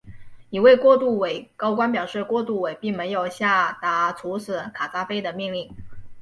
一名过渡委高官表示过渡委并没有下达处死卡扎菲的命令。